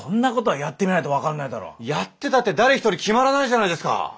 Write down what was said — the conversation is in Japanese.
やってたって誰一人決まらないじゃないですか。